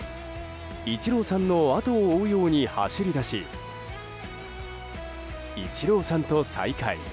イチローさんの後を追うように走りだしイチローさんと再会。